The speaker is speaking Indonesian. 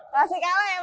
pasti kalah ya mak